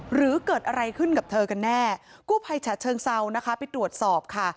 หรือเกิดอะไรขึ้นกับเธอกันแน่กู้ภัยฉะเชิงเซานะคะไปตรวจสอบค่ะ